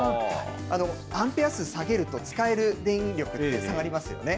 アンペア数下げると、使える電力って下がりますよね。